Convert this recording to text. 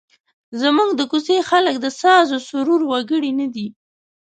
زموږ د کوڅې خلک د سازوسرور وګړي نه دي.